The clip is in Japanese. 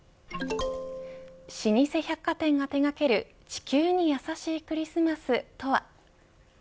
老舗百貨店が手掛ける地球にやさしいクリスマスとは。